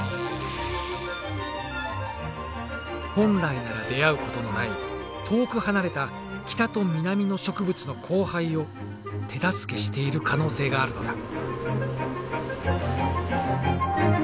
本来なら出会うことのない遠く離れた北と南の植物の交配を手助けしている可能性があるのだ。